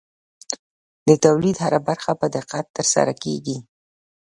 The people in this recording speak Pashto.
د تولید هره برخه په دقت ترسره کېږي.